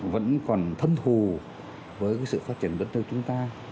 vẫn còn thân thù với sự phát triển đất nước chúng ta